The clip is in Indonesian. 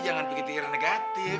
jangan pikir pikir yang negatif